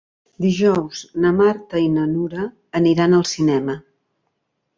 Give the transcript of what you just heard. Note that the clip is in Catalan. Dijous na Marta i na Nura aniran al cinema.